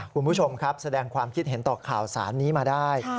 คุณผู้ชมครับแสดงความคิดเห็นต่อข่าวสารนี้มาได้